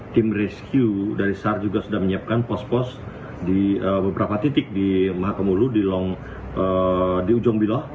tim rescue dari sar juga sudah menyiapkan pos pos di beberapa titik di maha pemulung di ujung bilo